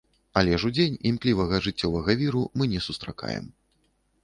Але ж удзень імклівага жыццёвага віру мы не сустракаем.